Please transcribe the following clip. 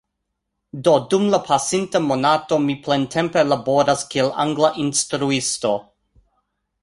Do dum la pasinta monato mi plentempe laboras kiel angla instruisto